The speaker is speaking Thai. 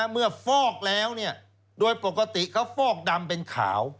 ฟอกแล้วโดยปกติเขาฟอกดำเป็นขาว